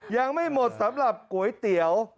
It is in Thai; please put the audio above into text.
ยังไม่หมดสำหรับก๋วยเตี๋ยว